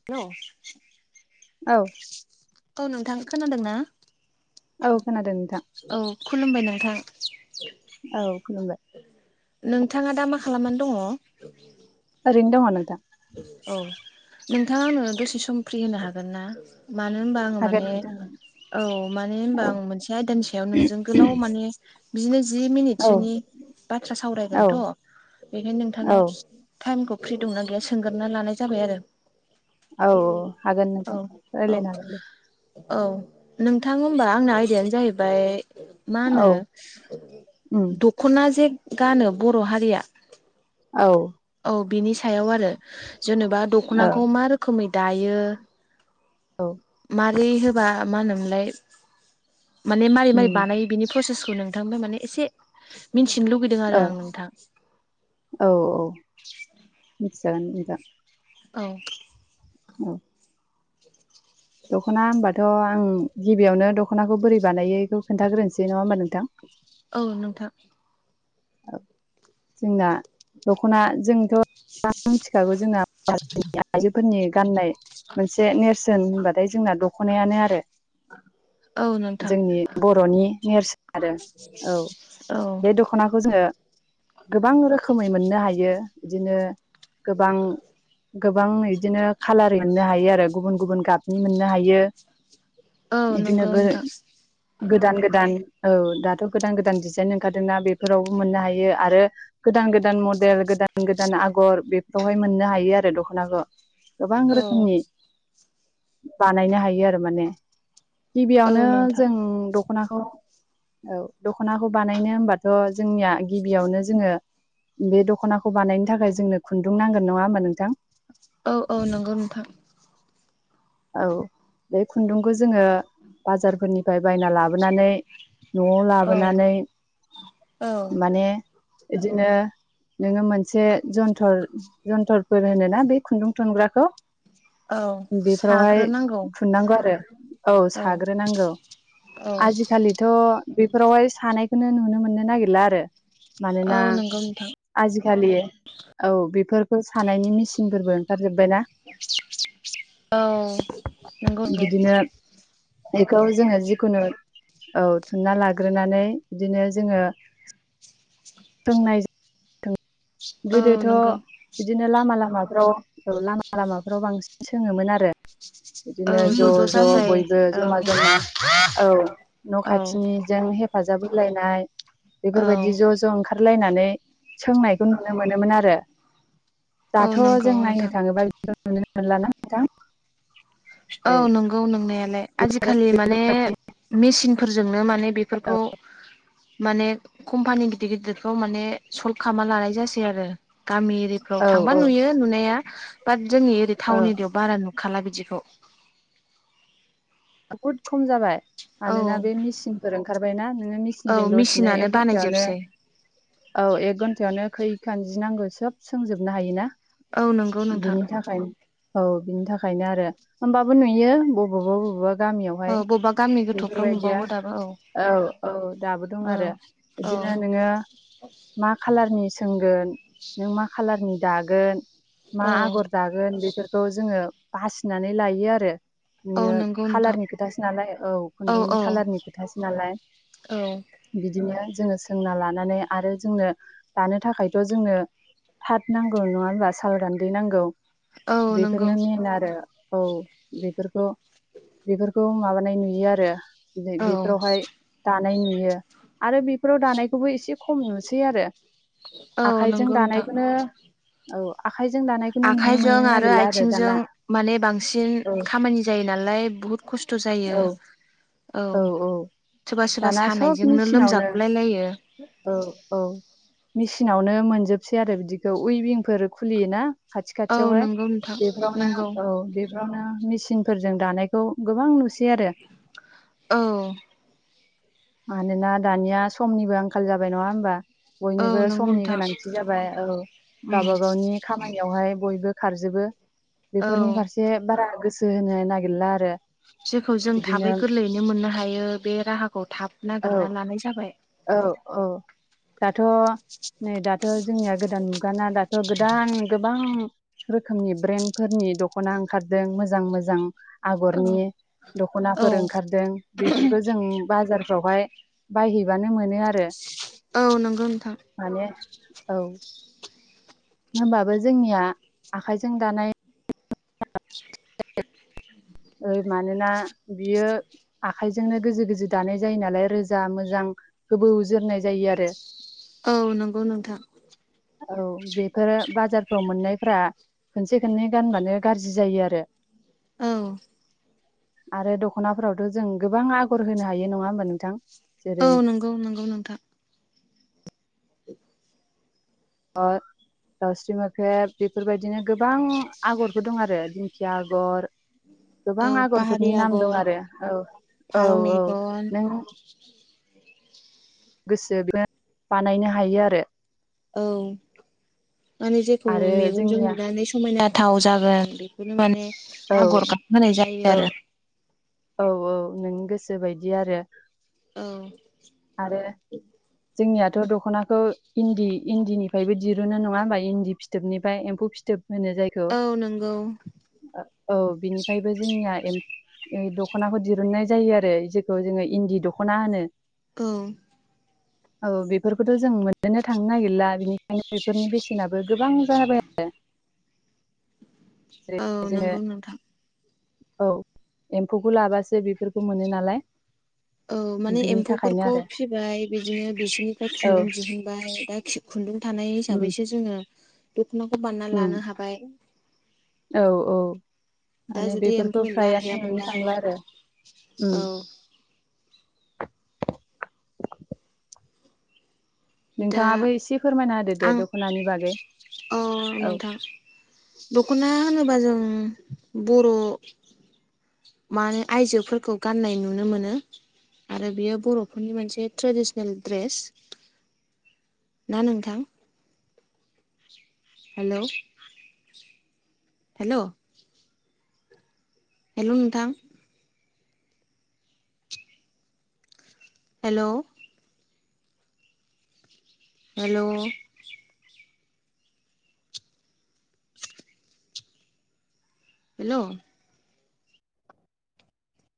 [inaudible] औ औ नोंथां खोनादोंना औ खोनादों नोंथां औ खुलुमबाय नोंथां औ खुलुमबाय नोंथाङा दा मा खालामनानै दङ ओरैनो दङ नोंथां औ नोंथाङा आंनो दसे सम फ्रि होनो हागोनना मानो होनबा आङो हागोन माने नोंथां औ मानो होनबा औ आं मोनसे आयदानि सायाव नोंजों गोलाव माने बिदिनो जि औ मिनिटसोनि बाथ्रा औ सावरायगोनथ' बेखायनो औ नोंथांनाव टाइमखौ फ्रि दंना गैया सोंगोरना लानाय जाबाय आरो औ औ हागोन औ नोंथां औ रायजलायनो हागोन दे औ नोंथां होनबा आंना आयदायानो जाहैबाय मा होनो औ उम दखना जे गानो बर' हारिया औ औ बिनि सायाव आरो जेनेबा औ दखनाखौ मा रोखोमै दायो मारै होबा मा होनोमोनलाय माने मारै उम मारै बानायो बिनि प्रसेसखौ नोंथांबो माने एसे मिथिनो लुगैदों ओ आरो आं नोंथां औ औ [inaudible] मिथिजागोन नोंथां औ औ दख'ना होमबाथ आं गिबियावनो दखनाखौ बोरै बानायोखौ खोनथाग्रोनोसै नङा होमबा नोंथां औ नोंथां जोंना दखना जोंथ गोबाङानो मिथिखागौ जोंना आइजोफोरनि गाननाय मोनसे नेरसोन होनबाथाय जोंना दखनायानो आरो औ नोंथां जोंनि बर'नि नेरसोन आरो औ औ बे दख दखनाखौ जोङो गोबां रोखोमै मोननो हायो बिदिनो गोबां गोबां बिदिनो खालार मोननो हायो आरो गुबुन गुबुन गाबनि मोननो हायो औ नंगौ इदिनो गो नोंथां गोदान गोदान औ दाथ गोदान गोदान डिजाइन ओंखारदोंना बे बेफोरावबो मोननो हायो आरो गोदान गोदान मडेल गोदान गोदान आगर बेफोरावहाय मोननो हायो आरो दखनाखौ गोबां औ रोखोमनि बानायनो हायो आरो माने औ गिबियावनो नोंथां जों दखनाखौ औ दखनाखौ बानायनो होमबा थ जोंनिया गिबियावनो जोङो बे दखनाखौ बानायनो थाखाय जोंनो खुन्दुं नांगोन नङा होमबा नोंथां औ औ नंगौ नोंथां औ बे खुन्दुंखौ जोङो बाजारफोरनिफ्राय बायना लाबो नानै न'आव औ लाबोनानै औ माने बिदिनो नोङो मोनसे जन्थर जन्थरफोर होनोना बे खुन्दुं थुनग्राखौ औ बेफोरावहाय साग्रोनांगौ थुननांगौ आरो औ साग्रोनांगौ औ आजिखालिथ' बे फोरावहाय सानायखौनो नुनो मोननो नागिरला आरो औ मानोना नंगौ नोंथां आजिखालि औ बेफोरखौ सानायनि मिसिनफोरबो ओंखारजोब्बायना औ नंगौ नंगौ बिदिनो बेखौ जोङो जिखुनु औ थुनना लाग्रोनानै बिदिनो जोङो सोंनाय औ गोदोथ' नंगौ बिदिनो लामा लामाफ्राव लामा लामाफ्राव बांसिन सोङोमोन आरो औ बिदिनो ज' ज' जाजाय बयबो औ ज'मा ज'मा औ न' औ खाथिनि जों हेफाजाब होलायनाय औ बेफोरबायदि ज' ज' ओं खारलायनानै सोंनायखौ नुनो मोनोमोन आरो औ दाथ' नंगौ जों नोंथां नायनो थाङोबा बिदिखौ नुनो मोनला ना नोंथां? औ नंगौ नोंनायालाय आजिखालि माने मेसिनफोरजोंनो माने बेफोरखौ माने कम्पानि गिदिर गिदिरफोराव माने सल्भ खालामना लानाय जासै आरो गामि एरि औ फोराव थांबा औ नुयो नुनाया बाट जोंनि ओरै औ टाउन एरियायाव बारा नुखाला बिदिखौ बहुद खम जाबाय औ मानोना बे मिसिनफोर ओंखारबायना नोङो मिसि औ मिसिनजों दसेनो मेसिनानो एक घन्टायावनो बानायजोबसै औ एक घन्टायावनो खैखान जि नांगौ सोब सोंजोबनो हायोना औ नंगौ नोंथां बिनि थाखायनो औ बिनि थाखायनो आरो होमबाबो नुयो बबावबा बबावबा औ गामियावहाय बबेबा गामि गोथौफ्राव बेफोरबायदिया नुबावो दाबो औ औ दाबो दं आरो औ बिदिनो नोङो [inaudible] मा खालारनि सोंगोन, नों मा खालारनि दागोन, मा औ आगर दागोन बेफोरखौ जोङो बासिनानै लायो आरो औ नोङो नंगौ नोंथां खालारनि खोथासो नालाय औ खुन्दुंनि खालारनि खोथासो नालाय औ बिदिनो जोङो सोंना लानानै आरो जोंनो दानो थाखायथ' जोंनो थाथ नांगौ नङा होनबा साल गान्दै नांगौ औ नंगौ बेफोरनो मेन आरो औ बेफोरखौ बेफोरखौ माबानाय नुयो आरो औ बेफोरावहाय दानाय नुयो आरो बेफोराव दानायखौबो एसे खम नुसै आरो औ आखाइजों नंगौ नोंथां दानायखौनो औ आखाइजों दानायखौनो नुनो आखाइजों मोननो नागिरला आरो आथिंजों दाना माने बांसिन औ खामानि जायो नालाय बुहुत खस्थ' जायो औ औ सोरबा सोरबा दाना सब सानायजोंनो मेचिनावनो लोमजागुलाय लायो औ औ मिसिनावनो मोनजोबसै आरो बिदिखौ उइभिंफोर खुलियोना खाथि औ खाथियावहाय नंगौ नोंथां बेफोरावनो नंगौ औ बे बेफोरावनो मिसिनफोरजों दानायखौ गोबां नुसै आरो औ मानोना दानिया समनिबो आंखाल जाबाय नङा होमबा? औ बयनोबो नंगौ समनि नोंथां गोनांथि जाबाय औ उम गावबा गावनि खा खामानियावहाय बयबो खारजोबो औ बेफोरनि फारसे बारा गोसो होनो नागिरला आरो जेखौ जों थाबै बिदिनो गोरलैयैनो मोननो हायो बे राहाखौ थाब औ नागिरना लानाय जाबाय औ औ दाथ' नै दाथ' जोंनिया गोदान मुगाना दाथ' ओ गोदान गोबां रोखोमनि ब्रेन्डफोरनि दख'ना ओंखारदों मोजां मोजां आगरनि औ औ दख'नाफोर ओंखारदों बेफोरखौ जों बाजारफ्रावहाय बायहैबानो मोनो आरो औ नंगौ नोंथां माने औ होनबाबो जोंनिया आखाइजों दानाय [inaudible] ओ मानोना बियो आखाइजोंनो गोजो गोजो दानाय जायो नालाय रोजा मोजां गोबौ जोरनाय जायो आरो औ नंगौ नोंथां औ बेफोरो बाजारफ्राव मोननायफ्रा खनसे खननै गानबानो गाज्रि जायो आरो औ आरो दख'नाफोरावथ' जों गोबां आगर होनो हायो नङा होमबा नोंथां औ जेरै नंगौ नंगौ नोंथा आरो दाउस्रि मोख्रेब बेफोरबायदिनो गोबां आगरफोर दं आरो दिंखिया आगर गोबां औ पाहारि आगरफोरनि नाम दं आगर आरो औ औ फारौ औ मेगन नों गोसो बानायनो हायो आरो औ माने जेखौ आरो मेगनजों जोंनिया नुनानै समायना थाव जागोन बेखौनो माने औ आगर गाबहोनाय जायो औ आरो औ औ नोंनि गोसो बायदि आरो औ आरो जोंनियाथ' दख'नाखौ इन्दि इन्दिनिफ्रायबो दिरुनो नङा होमबा इन्दि फिथोबनिफ्राय एम्फौ फिथोब फिथोब होनो जायखौ औ नंगौ औ बिनिफ्रायबो जोंनिया दख'नाखौ दिरुननाय जायो आरो जेखौ जोङो इन्दि दख'ना होनो औ औ बेफोरखौथ' जों मोननोनो थांनो नागिरला बेनिखायनो फोरनि बेसेनाबो गोबां जाबाय आरो जेरै औ जोङो नंगौ नोंथां औ एम्फौखौ लाबासो बेफोरखौ मोनो नालाय औ माने बिनि थाखायनो एम्फौफोरखौ आरो फिबाय बिदिनो बिसोरनिफ्राय औ खुन्दुं दिहुनबाय दा खुन्दुं थानाय उम हिसाबैसो जोङो दख'नाखौ बानायना उम लानो हाबाय औ औ दा माने जुदि बेफोरखौ एम्फौ एनला फ्रायानो नुनो गैयामोनब्ला थांला आरो उम औ [inaudible] दा नोंथाङाबो एसे फोरमायना होदो दे आं दख'नानि बागै औ नोंथां दख'ना होनोबा जों बर' माने आयजोफोरखौ गाननाय नुनो मोनो। आरो बेयो बर'फोरनि मोनसे ट्रेडिसनेल दड्रेस ना नोंथां। हेलौ। हेलौ। हेल' नोंथां। हेलौ। हेलौ। हेलौ